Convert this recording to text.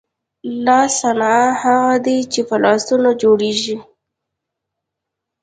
لاسي صنایع هغه دي چې په لاسونو جوړیږي.